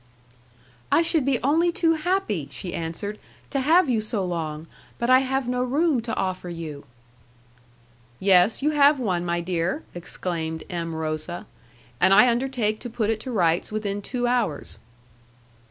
"I should be only too happy," she answered, "to have you so long, but I have no room to offer you." "Yes, you have one, my dear," exclaimed M. Rosa, "and I undertake to put it to rights within two hours."